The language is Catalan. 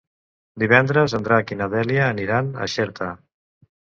Divendres en Drac i na Dèlia aniran a Xerta.